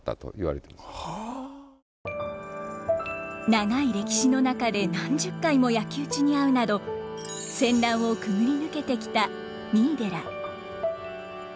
長い歴史の中で何十回も焼き打ちに遭うなど戦乱を潜り抜けてきた三井寺。